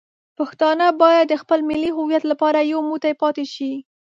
پښتانه باید د خپل ملي هویت لپاره یو موټی پاتې شي.